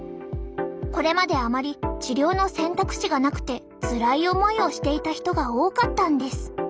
これまであまり治療の選択肢がなくてつらい思いをしていた人が多かったんです。